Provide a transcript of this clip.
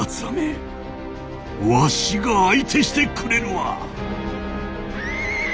らめわしが相手してくれるわ！